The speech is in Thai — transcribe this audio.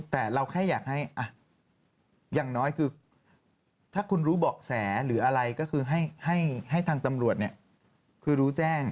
แต่เราแค่อยากให้อย่างน้อยคือถ้าคุณรู้เบาะแสหรืออะไรก็คือให้ทางตำรวจคือรู้แจ้ง